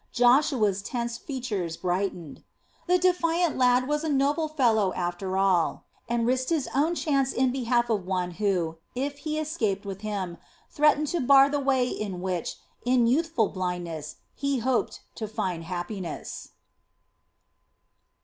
Joshua's tense features brightened. The defiant lad was a noble fellow, after all, and risked his own chance in behalf of one who, if he escaped with him, threatened to bar the way in which, in youthful blindness, he hoped to find happiness.